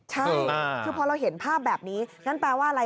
ใช่คือพอเราเห็นภาพแบบนี้งั้นแปลว่าอะไร